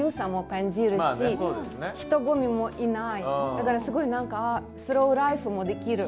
だからすごい何かスローライフもできる。